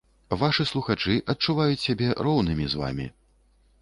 Вашы слухачы адчуваюць сябе роўнымі з вамі.